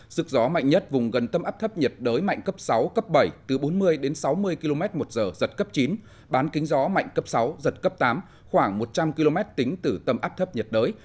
sức gió mạnh nhất vùng gần tâm áp thấp nhiệt đới mạnh cấp sáu cấp bảy từ bốn mươi đến sáu mươi km một giờ giật cấp chín bán kính gió mạnh cấp sáu giật cấp tám khoảng một trăm linh km tính từ tâm áp thấp nhiệt đới